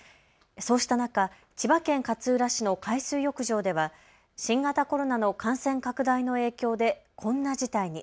そうした中、千葉県勝浦市の海水浴場では新型コロナの感染拡大の影響でこんな事態に。